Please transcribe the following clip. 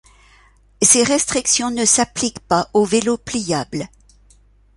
Ces restrictions ne s’appliquent pas aux vélos pliables.